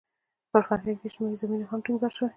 پر فرهنګي او اجتماعي زمینو یې هم ټینګار شوی.